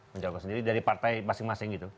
mencalonkan sendiri dari partai masing masing